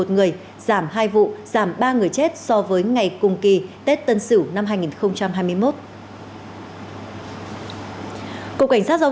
một người giảm hai vụ giảm ba người chết so với ngày cùng kỳ tết tân sửu năm hai nghìn hai mươi một cục cảnh sát giao